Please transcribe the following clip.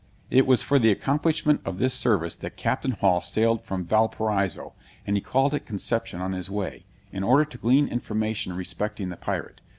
It was for the accomplishment of this service that Capt. Hall sailed from Valparaiso; and he called at Conception on his way, in order to glean information respecting the pirate.